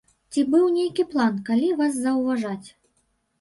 Ці быў нейкі план, калі вас заўважаць?